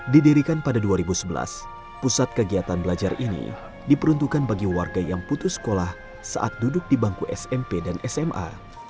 didirikan pada dua ribu sebelas pusat kegiatan belajar ini diperuntukkan bagi warga yang putus sekolah saat duduk di bangku smp dan sma